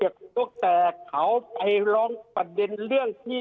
คุณฟังเขาให้สัมภาษณ์หรือยัง